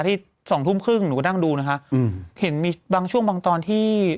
ที่สองทุ่มครึ่งหนูก็นั่งดูนะคะอืมเห็นมีบางช่วงบางตอนที่